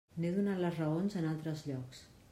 N'he donat les raons en altres llocs.